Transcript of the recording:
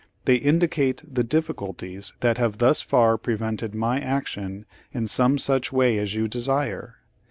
They indicate the difficulties that have thus far prevented my action in some such way as you desire.